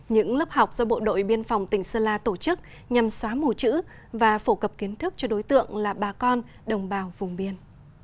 những lớp học do bộ đội biên phòng tỉnh sơn la tổ chức nhằm xóa mù chữ và phổ cập kiến thức cho đối tượng là bà con đồng bào vùng biên